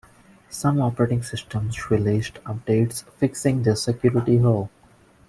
Some operating systems released updates fixing this security hole.